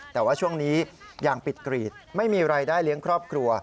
แต่ว่าช่วงนี้ยางปิดกรีดไม่มีรายได้เลี้ยงครอบครัว